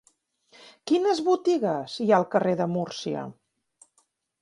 Quines botigues hi ha al carrer de Múrcia?